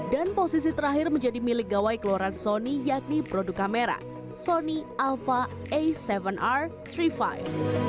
dan posisi terakhir menjadi milik gawai keluaran sony yakni produk kamera sony alpha a tujuh r iii lima